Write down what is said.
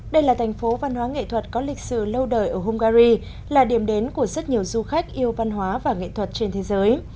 đây là thành phố văn hóa nghệ thuật có lịch sử lâu đời ở hungary là điểm đến của rất nhiều du khách yêu văn hóa và nghệ thuật trên thế giới